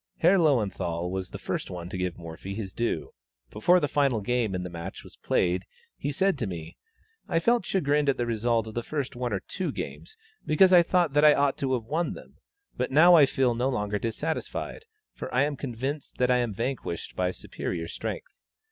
Herr Löwenthal was the first to give Morphy his due; before the final game in the match was played, he said to me: "I felt chagrined at the result of the first one or two games, because I thought that I ought to have won them; but now I feel no longer dissatisfied, for I am convinced that I am vanquished by superior strength."